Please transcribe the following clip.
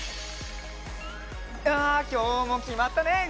あきょうもきまったね！